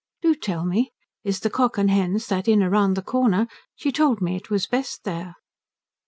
Do tell me is the Cock and Hens that inn round the corner? She told me it was best there."